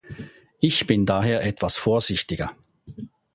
Ich bin daher etwas vorsichtiger.